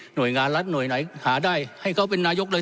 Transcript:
โดยงานรัฐหน่วยไหนหาได้ให้เขาเป็นนายกเลย